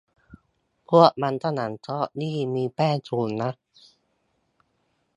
พวกมันฝรั่งทอดนี่มีแป้งสูงนะ